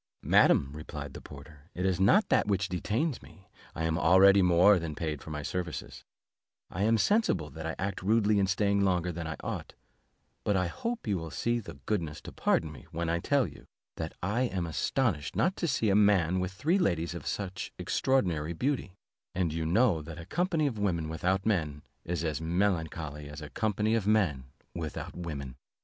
"Madam," replied the porter, "it is not that which detains me, I am already more than paid for my services; I am sensible that I act rudely in staying longer than I ought, but I hope you will the goodness to pardon me, when I tell you, that I am astonished not to see a man with three ladies of such extraordinary beauty: and you know that a company of women without men is as melancholy as a company of men without women."